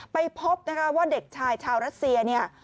ไปพบนะคะว่าเด็กชายชาวรัสเซียเนี่ย